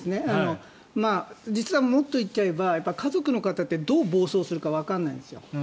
実はもっと言っちゃえば家族の方って、どう暴走するかわからないんですよ。